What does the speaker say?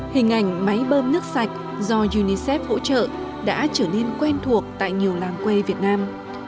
hình ảnh máy bơm nước sạch do unicef hỗ trợ đã trở nên quen thuộc tại nhiều làng quê việt nam